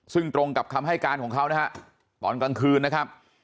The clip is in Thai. ซึ่งตรงกับคำให้การของเขานะฮะตอนกลางคืนนะครับ